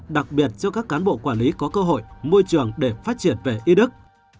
đặc biệt cho các cán bộ quản lý có cơ hội môi trường để phát triển về y đức